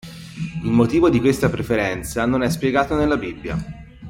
Il motivo di questa preferenza non è spiegato nella Bibbia.